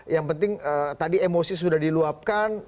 yang penting tadi emosi sudah diluapkan